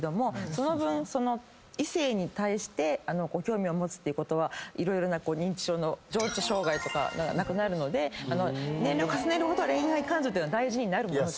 その分異性に対して興味を持つっていうことは色々な認知症の情緒障害とかなくなるので年齢を重ねるほど恋愛感情って大事になるものじゃないですか。